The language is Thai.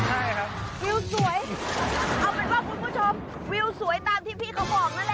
ใช่ครับวิวสวยเอาเป็นว่าคุณผู้ชมวิวสวยตามที่พี่เขาบอกนั่นแหละ